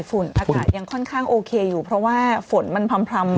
อากาศยังค่อนข้างโอเคอยู่เพราะว่าฝนมันพร่ำ